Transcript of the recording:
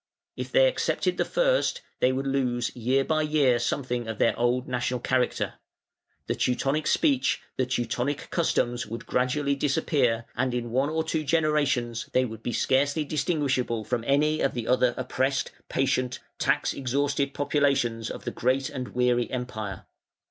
If they accepted the first, they would lose year by year something of their old national character. The Teutonic speech, the Teutonic customs would gradually disappear, and in one or two generations they would be scarcely distinguishable from any of the other oppressed, patient, tax exhausted populations of the great and weary Empire.